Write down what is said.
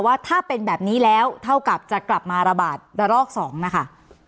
ว่าถ้าเป็นแบบนี้แล้วเท่ากับจะกลับมาระบาดระลอก๒นะคะ